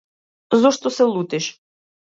Зошто се лутиш?